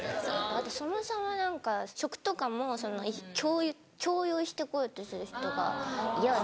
あとそもそも何か食とかも共有してこようとする人が嫌で。